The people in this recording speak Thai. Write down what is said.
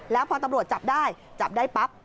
แล้วพอตำรวจจับได้จับได้ปั๊บ